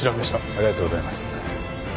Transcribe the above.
ありがとうございます。